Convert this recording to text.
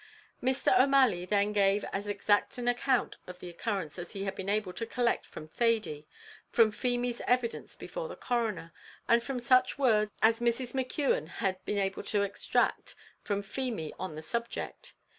Mr. O'Malley then gave as exact an account of the occurrence as he had been able to collect from Thady, from Feemy's evidence before the coroner, and from such words as Mrs. McKeon had been able to extract from Feemy on the subject.